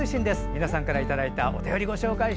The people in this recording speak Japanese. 皆さんからいただいたお写真。